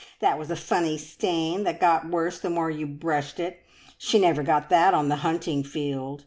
That was a funny stain, that got the worse the more you brushed it! She never got that on the hunting field.